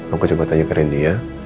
aku coba tanya ke randy ya